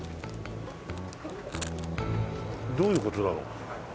どういう事だろう？